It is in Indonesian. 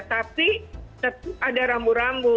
tapi tetap ada rambu rambu